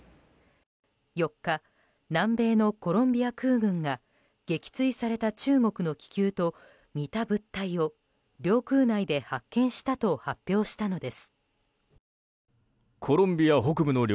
４日、南米のコロンビア空軍が撃墜された中国の気球と似た物体を領空内で発見したと発表したのです。